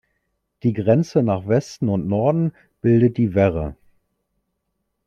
Die Grenze nach Westen und Norden bildet die Werre.